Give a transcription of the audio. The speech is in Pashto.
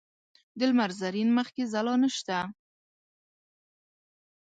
د لمر زرین مخ کې ځلا نشته